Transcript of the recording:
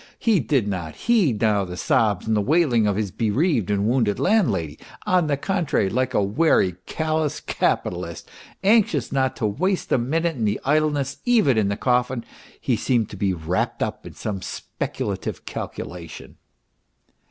He did not heed now the sobs and wailing of his bereaved and wounded landlady. On the contrary, like a wary, callous capitalist, anxious not to waste a minute in idleness even in the coffin, he seemed to be wrapped up in some speculative calcula tion.